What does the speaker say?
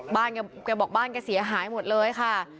แกบอกบ้านแกเสียหายหมดเลยค่ะ